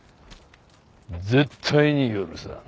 絶対に許さん。